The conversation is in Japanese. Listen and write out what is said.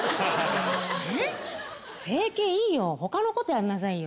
ねっ整形いいよ他のことやりなさいよ。